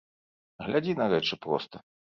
Глядзі на рэчы проста.